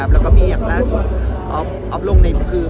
แล้วก็มีอย่างล่าสุดออฟลงในคือ